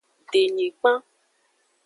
Denyigban.